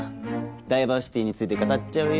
ダイバーシティーについて語っちゃうよ